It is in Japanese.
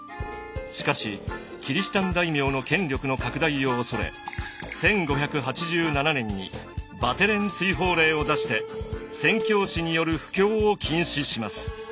しかしキリシタン大名の権力の拡大を恐れ１５８７年にバテレン追放令を出して宣教師による布教を禁止します。